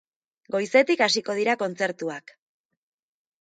Goizetik hasiko dira kontzertuak.